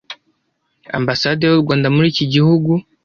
ambasade y'u Rwanda muri iki gihugu